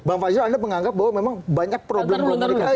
bang fajrul anda menganggap bahwa memang banyak problem komunikasi